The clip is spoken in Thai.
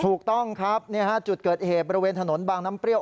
ถูกต้องครับจุดเกิดเหตุบริเวณถนนบางน้ำเปรี้ยว